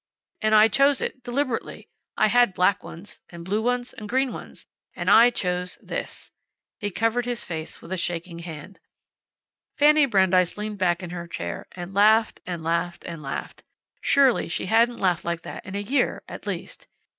"And I chose it. Deliberately. I had black ones, and blue ones, and green ones. And I chose this." He covered his face with a shaking hand. Fanny Brandeis leaned back in her chair, and laughed, and laughed, and laughed. Surely she hadn't laughed like that in a year at least.